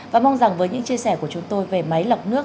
và mong rằng với những chia sẻ của chúng tôi về máy lọc nước